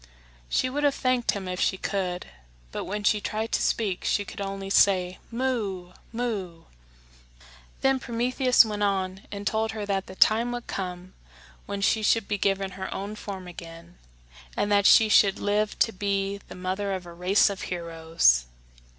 She would have thanked him if she could; but when she tried to speak she could only say, "Moo! moo!" Then Prometheus went on and told her that the time would come when she should be given her own form again, and that she should live to be the mother of a race of heroes.